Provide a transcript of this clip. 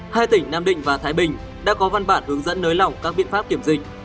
hai tỉnh nam định và thái bình đã có văn bản hướng dẫn nới lỏng các biện pháp kiểm dịch